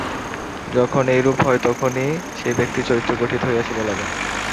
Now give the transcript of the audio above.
যখন এইরূপ হয়, তখনই সেই ব্যক্তির চরিত্র গঠিত হইয়াছে বলা যায়।